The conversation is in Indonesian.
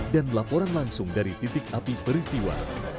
dan laporan langsung dari titik api peristiwa